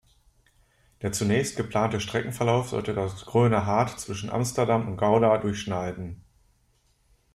Der zunächst geplante Streckenverlauf sollte das Groene Hart zwischen Amsterdam und Gouda durchschneiden.